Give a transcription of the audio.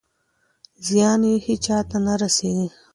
زیان یې هېچا ته نه رسېږي.